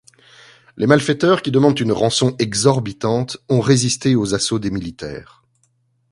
Les malfaiteurs, qui demandent une rançon exorbitante, ont résisté aux assauts des militaires.